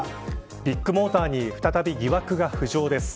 ビッグモーターに再び疑惑が浮上です。